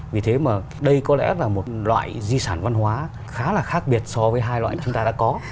vì thế mà đây có lẽ là một loại di sản văn hóa khá là khác biệt so với hai loại chúng ta đã có